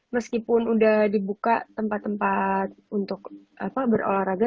meskipun udah dibuka tempat tempat untuk berolahraga